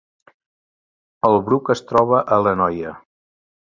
El Bruc es troba a l’Anoia